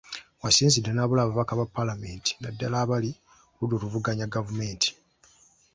W’asinzidde n’alabula ababaka ba paalamenti naddala abali ku ludda oluvuganya gavumenti .